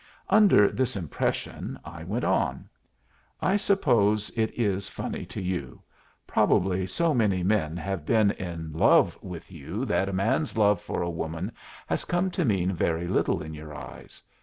Under this impression I went on, "I suppose it is funny to you; probably so many men have been in love with you that a man's love for a woman has come to mean very little in your eyes.